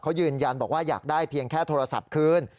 เขายืนยันบอกว่าอยากได้เพียงแค่โทรศัพท์คืน